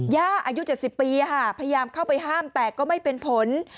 อายุ๗๐ปีพยายามเข้าไปห้ามแต่ก็ไม่เป็นผล